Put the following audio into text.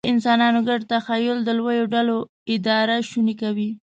د انسانانو ګډ تخیل د لویو ډلو اداره شونې کوي.